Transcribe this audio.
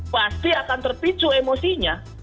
pasti akan terpicu emosinya